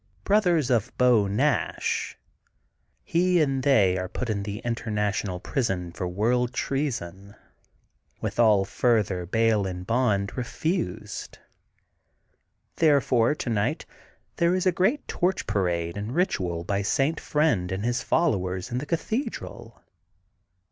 brothers of Beau Nash,'' he and they^are put into the InternationM Prison for world treason, with all further bail and bond re fused. Therefore tonight there is a great torch parade and ritual by St. Friend and his followers in the cathedral.